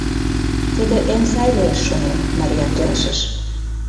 — Тиде эн сай лиеш, шонем, — Мария келшыш.